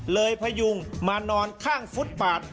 พยุงมานอนข้างฟุตปาด